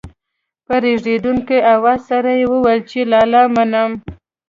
په رېږېدونکي اواز سره يې وويل چې لالا منم.